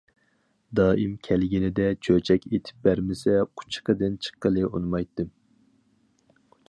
دائىم كەلگىنىدە چۆچەك ئېيتىپ بەرمىسە، قۇچىقىدىن چىققىلى ئۇنىمايتتىم.